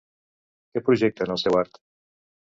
Què projecta en el seu art?